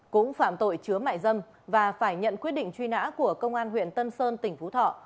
cũng phạm tội chứa mại dâm và phải nhận quyết định truy nã của công an huyện tân sơn tỉnh phú thọ